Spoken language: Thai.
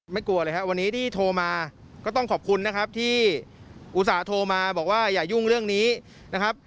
กลัวเลยครับวันนี้ที่โทรมาก็ต้องขอบคุณนะครับที่อุตส่าห์โทรมาบอกว่าอย่ายุ่งเรื่องนี้นะครับ